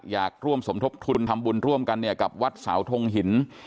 อยากร่วมสมทบทุนทำบุญร่วมกันเนี่ยกับวัดเสาทงหิน